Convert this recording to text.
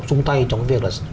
chung tay trong việc